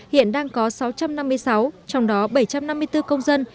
hiện đang có sáu trăm năm mươi sáu trong đó bảy trăm năm mươi bốn công dân